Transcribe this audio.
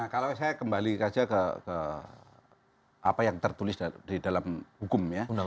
kalau saya kembali saja ke apa yang tertulis di dalam hukum ya